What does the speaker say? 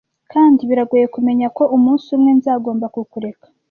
Kandi biragoye kumenya ko umunsi umwe nzagomba kukureka.